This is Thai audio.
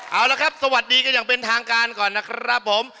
เอาละครับสวัสดีกันอย่างเป็นทางการก่อนนะครับผม